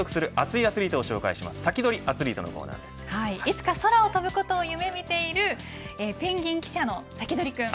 アツリートのいつか空飛ぶことを夢見ているペンギン記者のサキドリくん。